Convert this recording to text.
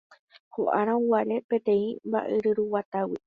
ho'árõguare peteĩ mba'yruguatágui